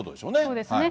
そうですね。